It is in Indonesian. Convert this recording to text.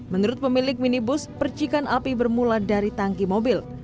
menurut pemilik minibus percikan api bermula dari tangki mobil